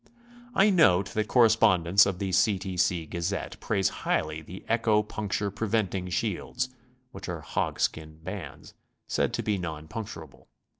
I note that correspondents of the C. T. C. Gazette praise highly the Echo Puncture Preventing Shields, which are hog skin bands, said to be non puncturable.